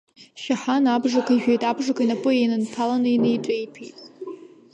Шьаҳан абжак ижәит, абжак инапы инанҭәаланы инеиҿеиҭәеит.